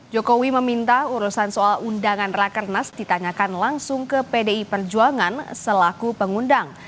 jokowi meminta urusan soal undangan rakernas ditanyakan langsung ke pdi perjuangan selaku pengundang